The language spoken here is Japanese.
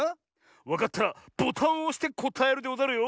わかったらボタンをおしてこたえるでござるよ。